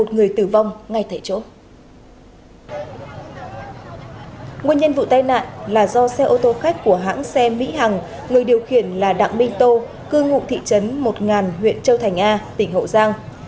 nguyên nhân vụ tai nạn là do xe ô tô khách của hãng xe mỹ hằng người điều khiển là đặng minh tô cư ngụ thị trấn một huyện châu thành a tỉnh hậu giang